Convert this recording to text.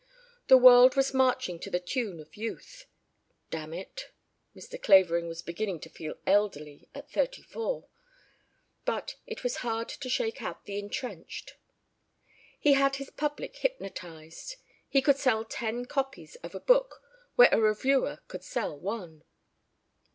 The world was marching to the tune of youth, damn it (Mr. Clavering was beginning to feel elderly at thirty four), but it was hard to shake out the entrenched. He had his public hypnotized. He could sell ten copies of a book where a reviewer could sell one.